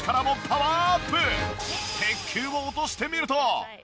鉄球を落としてみると。